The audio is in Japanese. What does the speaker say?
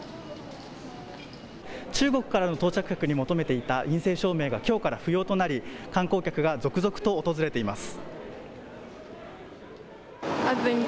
中国からの到着客に求めていた陰性証明がきょうから不要となり観光客が続々と訪れています。